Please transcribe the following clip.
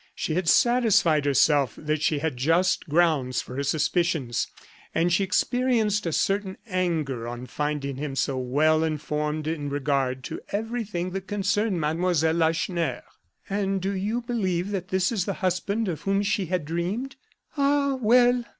She had satisfied herself that she had just grounds for her suspicions; and she experienced a certain anger on finding him so well informed in regard to everything that concerned Mlle. Lacheneur. "And do you believe that this is the husband of whom she had dreamed? Ah, well!